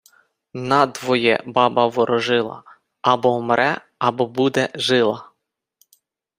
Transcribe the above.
Надвоє баба ворожила: або вмре, або буде жила.